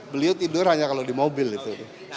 beliau tidur hanya kalau di mobil itu